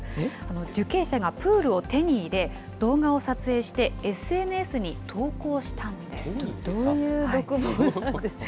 受刑者がプールを手に入れ、動画を撮影して、どういう独房なんでしょう。